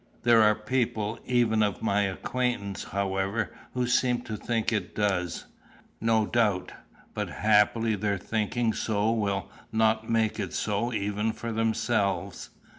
"There are people, even of my acquaintance, however, who seem to think it does." "No doubt; but happily their thinking so will not make it so even for themselves."